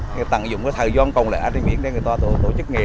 người ta dùng cái thời gian còn lại để người ta tổ chức nghề